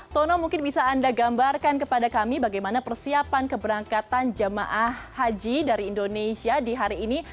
tono mungkin bisa anda gambarkan kepada kami bagaimana persiapan keberangkatan jemaah haji dari indonesia di hari ini